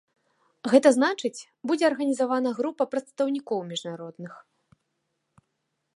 Гэта значыць будзе арганізавана група прадстаўнікоў міжнародных.